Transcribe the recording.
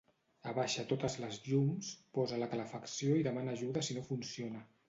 Abaixa totes les llums, posa la calefacció i demana ajuda si no funciona